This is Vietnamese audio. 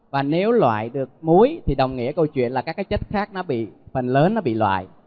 và nếu loại được muối thì đồng nghĩa câu chuyện là các chất khác phần lớn bị loại